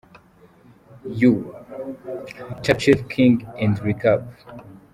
You – Churchill King & Recapp.